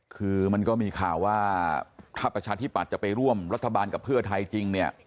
คือมันก็มีข่าวว่าถ้าประชาธิปัตย์จะไปร่วมรัฐบาลกับเพื่อไทยจริงเนี่ย